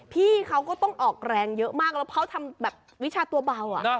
พี่เขาก็ต้องออกแรงเยอะมากแล้วเขาทำแบบวิชาตัวเบา